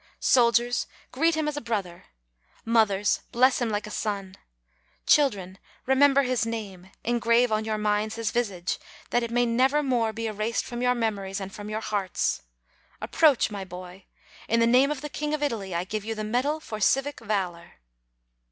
Soldiers, greet him as a brother; mothers, bless him like a son; children, remember his name, engrave on your minds his visage, that it may never more be erased from your memories and from your hearts. Approach, my boy. In the name of the king of Italy, I give you the medal for civic valor."